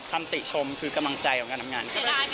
ติชมคือกำลังใจของการทำงาน